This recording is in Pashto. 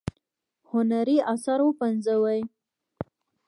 هنري آثار وپنځوي.